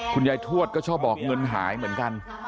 ทวดก็ชอบบอกเงินหายเหมือนกัน